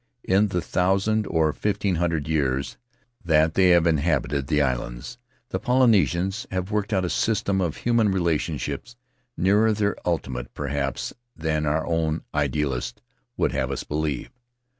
In the thousand or fifteen hundred years that they have inhabited the islands the Polynesians have worked out a system of human relationships nearer the ultimate, perhaps, than our own idealists would have us believe.